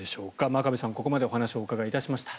真壁さんにここまでお話をお伺いしました。